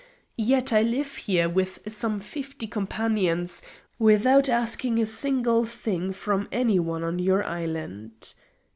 Yet I live here with some fifty companions, without asking a single thing from any one on your island.